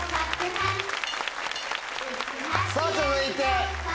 さぁ続いて。